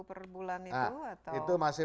per bulan itu atau nah itu masih